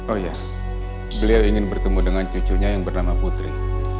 oh ya beliau ingin bertemu dengan cucunya yang bernama putri